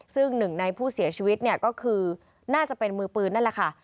ซึ่งหนึ่งในผู้เสียชีวิตเนี่ยก็คือน่าจะเป็นมือปืนนั่นแหละค่ะ